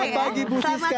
selamat pagi ibu siska